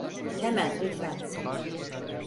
Hemen, lütfen.